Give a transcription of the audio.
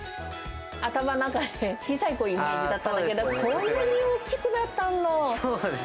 頭の中で、小さいころのイメージだったんだけど、こんなに大きくなったの？